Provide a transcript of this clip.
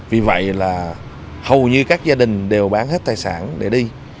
vì vậy là hầu như các gia đình đều bán hết tài sản để đi